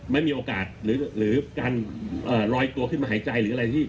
ไม่มีโอกาสหรือการลอยตัวขึ้นมาหายใจหรืออะไรที่